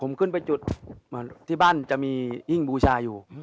ผมขึ้นไปจุดเหมือนที่บ้านจะมีอิ้งบูชาอยู่